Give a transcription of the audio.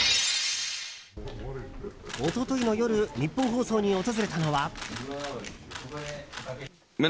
一昨日の夜ニッポン放送に訪れたのは。